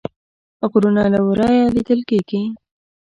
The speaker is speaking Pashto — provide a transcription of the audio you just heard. غرونه له ورایه لیدل کیږي